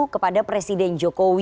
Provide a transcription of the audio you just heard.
kepada presiden jokowi